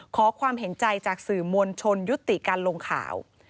ขอความเห็นใจจากสื่อมวลชนยุติการลงข่าว